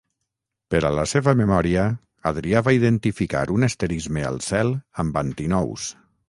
Per a la seva memòria Adrià va identificar un asterisme al cel amb Antinous.